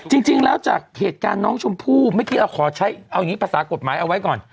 จริงแล้วจากเหตุการณ์น้องชมพู่เมื่อกี้เราขอใช้เอาอย่างนี้ภาษากฎหมายเอาไว้ก่อน